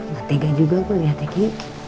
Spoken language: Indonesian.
gak tegang juga kok ya tegi